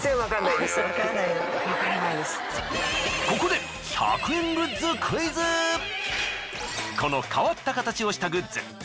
ここでこの変わった形をしたグッズ